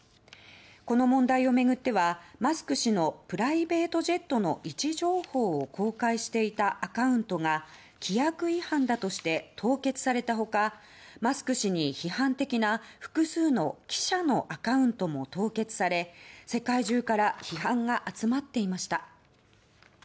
この問題を巡っては、マスク氏のプライベートジェットの位置情報を公開していたアカウントが規約違反だとして凍結された他マスク氏に批判的な複数の記者のアカウントも凍結され世界中から批判が集まっていました。